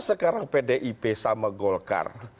sekarang pdip sama golkar